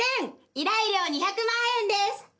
依頼料２００万円です。